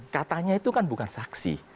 katanya itu kan bukan saksi